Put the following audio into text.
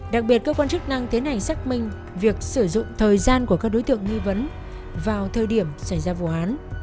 đặc biệt cơ quan chức năng tiến hành xác minh việc sử dụng thời gian của các đối tượng nghi vấn vào thời điểm xảy ra vụ án